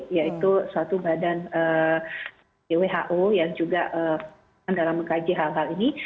yaitu suatu badan who yang juga dalam mengkaji hal hal ini